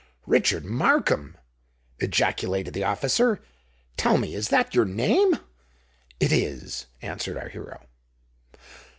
"Richard Markham!" ejaculated the officer. "Tell me—is that your name?" "It is," answered our hero.